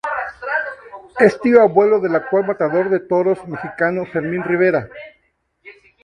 Es tío abuelo del actual matador de toros mexicano Fermín Rivera.